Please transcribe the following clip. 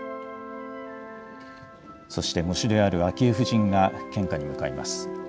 そして喪主である昭恵夫人が献花に向かいます。